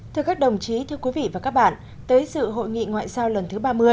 thưa các đồng chí thưa quý vị và các bạn tới sự hội nghị ngoại giao lần thứ ba mươi